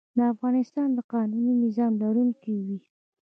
افغانستان د قانوني نظام لرونکی وي.